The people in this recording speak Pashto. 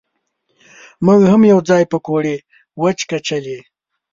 مونږ هم یو ځای پکوړې وچکچلې.